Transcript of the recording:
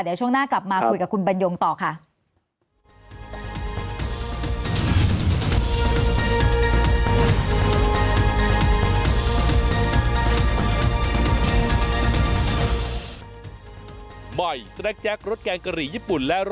เดี๋ยวช่วงหน้ากลับมาคุยกับคุณบรรยงต่อค่ะ